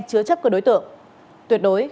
chứa chấp các đối tượng tuyệt đối